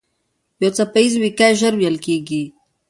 یو څپه ایز ويیکی ژر وېل کېږي.